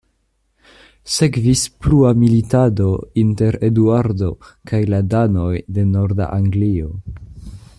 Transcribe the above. Sekvis plua militado inter Eduardo kaj la danoj de norda Anglio.